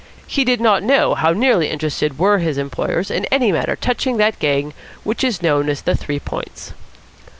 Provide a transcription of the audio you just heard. He did not know how nearly interested were his employers in any matter touching that gang which is known as the Three Points.